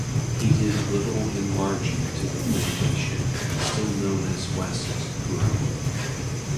He did little enlarging to the plantation, still known as West's Grove.